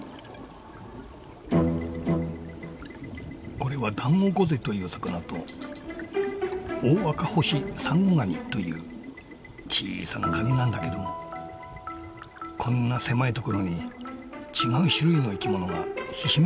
これはダンゴオコゼという魚とオオアカホシサンゴガニという小さなカニなんだけどもこんな狭い所に違う種類の生きものがひしめいて暮らしているんですよ。